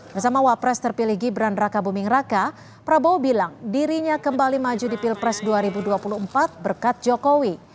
bersama wapres terpilih gibran raka buming raka prabowo bilang dirinya kembali maju di pilpres dua ribu dua puluh empat berkat jokowi